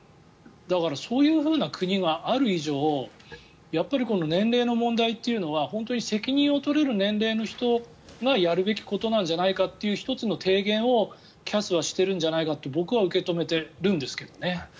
だから、そういう国がある以上年齢の問題っていうのは本当に責任を取れる年齢の人がやるべきことなんじゃないかという１つの提言をＣＡＳはしているんじゃないかって僕は受け止めてるんですけどね。